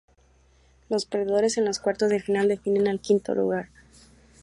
Los perdedores en los cuartos de final definen al quinto lugar.